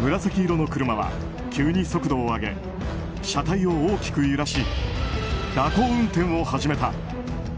紫色の車は急に速度を上げ車体を大きく揺らし蛇行運転を始めた。